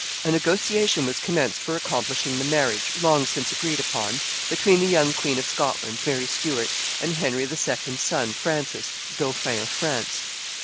A negotiation was commenced for accomplishing the marriage, long since agreed upon, between the young Queen of Scotland, Mary Stuart, and Henry II.'s son, Francis, dauphin of France.